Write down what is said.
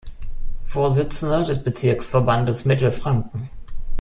Vorsitzender des Bezirksverbandes Mittelfranken.